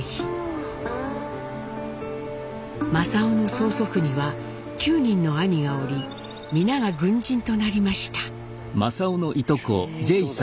正雄の曽祖父には９人の兄がおり皆が軍人となりました。